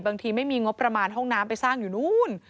ไม่มีงบประมาณห้องน้ำไปสร้างอยู่นู้น